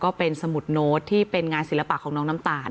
สมุดโน้ตที่เป็นงานศิลปะของน้องน้ำตาล